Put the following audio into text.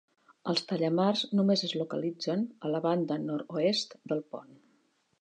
Els tallamars només es localitzen a la banda nord-oest del pont.